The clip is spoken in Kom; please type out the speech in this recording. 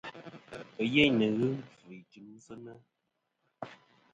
Ɨyêyn nɨ̀n ghɨ nkfɨ i timsɨnɨ.